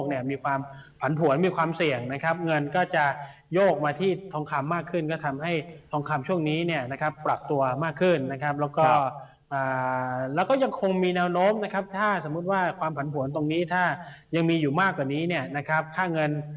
แล้วก็ยังคงมีแนวโน้มนะครับถ้าสมมุติว่าความผันผวนตรงนี้ถ้ายังมีอยู่มากกว่านี้เนี่ยนะครับค่าเงิน